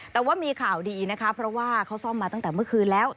แต่ว่ามีข่าวดีนะคะเพราะว่าเขาซ่อมมาตั้งแต่เมื่อคืนแล้ว